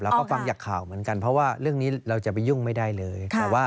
ฟังจากข่าวเหมือนกันเพราะว่าเรื่องนี้เราจะไปยุ่งไม่ได้เลย